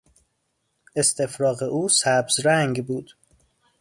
استفراغ او سبزرنگ بود.